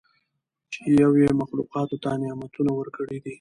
چې یو ئي مخلوقاتو ته نعمتونه ورکړي دي